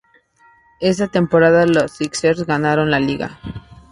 Esa temporada, los sixers ganaron la liga.